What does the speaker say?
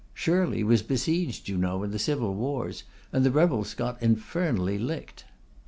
Shirley was besieged, you know, in the civil wars; and the rebels got infernally licked.